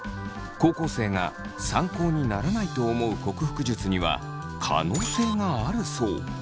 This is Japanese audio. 高校生が参考にならないと思う克服術には可能性があるそう。